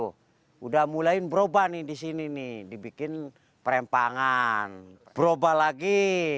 sudah mulai berubah di sini dibikin perempangan berubah lagi